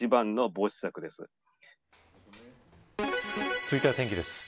続いては天気です。